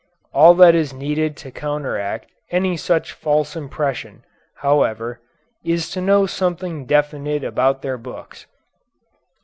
All that is needed to counteract any such false impression, however, is to know something definite about their books.